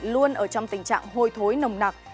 luôn ở trong tình trạng hôi thối nồng nặc